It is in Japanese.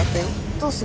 どうする？